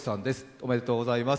おめでとうございます。